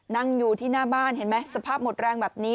นั่งอยู่ที่หน้าบ้านเห็นไหมสภาพหมดแรงแบบนี้